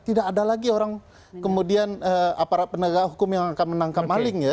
tidak ada lagi orang kemudian aparat penegak hukum yang akan menangkap maling ya